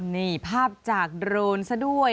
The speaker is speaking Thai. นี่ภาพจากโดรนซะด้วย